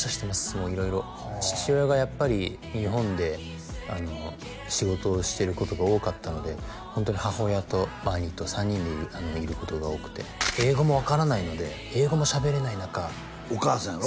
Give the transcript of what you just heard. もう色々父親がやっぱり日本であの仕事をしてることが多かったのでホントに母親と兄と３人でいることが多くて英語も分からないので英語も喋れない中お母さんやろ？